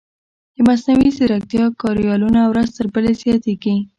د مصنوعي ځیرکتیا کاریالونه ورځ تر بلې زیاتېږي.